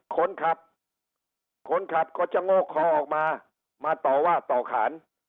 คนขับคนขับก็จะโงกคอออกมามาต่อว่าต่อขาน